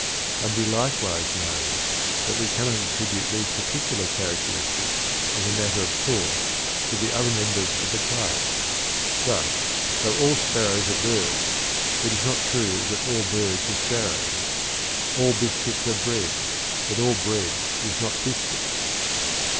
And we likewise know that we cannot attribute the particular characteristics, as a matter of course, to the other members of the class. Thus, though all sparrows are birds, it is not true that all birds are sparrows. "All biscuits are bread; but all bread is not biscuit."